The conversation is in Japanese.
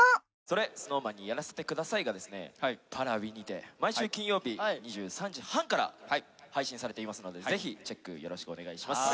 「それＳｎｏｗＭａｎにやらせて下さい」がですねＰａｒａｖｉにて毎週金曜日２３時半から配信されていますのでぜひチェックよろしくお願いします